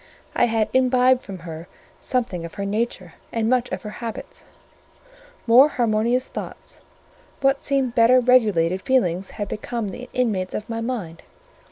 I had imbibed from her something of her nature and much of her habits: more harmonious thoughts: what seemed better regulated feelings had become the inmates of my mind.